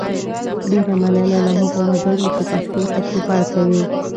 ډیره مننه له هغو وګړو چې پښتو ته چوپړ کوي